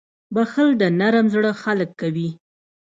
• بښل د نرم زړه خلک کوي.